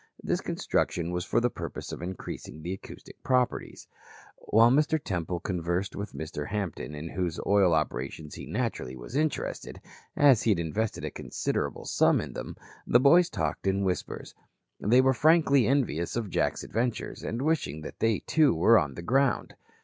This construction was for the purpose of increasing the acoustic properties. While Mr. Temple conversed with Mr. Hampton, in whose oil operations he naturally was interested, as he had invested a considerable sum in them, the boys talked in whispers. They were frankly envious of Jack's adventures and wishing that they, too, were on the ground.